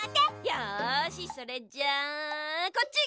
よしそれじゃあこっち！